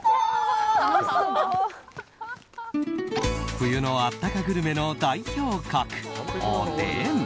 冬のあったかグルメの代表格おでん。